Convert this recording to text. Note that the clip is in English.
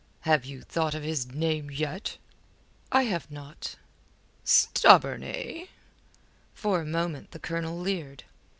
"Have you thought of his name yet?" "I have not." "Stubborn, eh?" For a moment the Colonel leered.